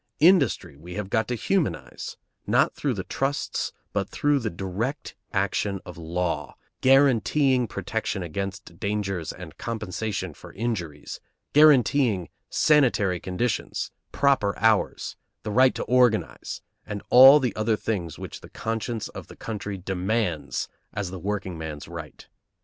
Industry we have got to humanize, not through the trusts, but through the direct action of law guaranteeing protection against dangers and compensation for injuries, guaranteeing sanitary conditions, proper hours, the right to organize, and all the other things which the conscience of the country demands as the workingman's right.